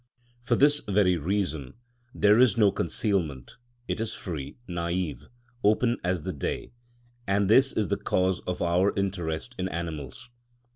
For this very reason there is no concealment; it is free, naïve, open as the day, and this is the cause of our interest in animals.